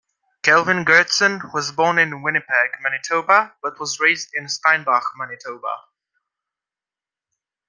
Kelvin Goertzen was born in Winnipeg, Manitoba but was raised in Steinbach, Manitoba.